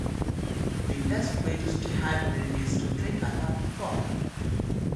The best way to stay hydrated is to drink a lot of water.